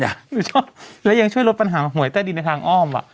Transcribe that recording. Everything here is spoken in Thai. ไม่ชอบและยังช่วยลดปัญหาหวยใต้ดินในทางอ้อม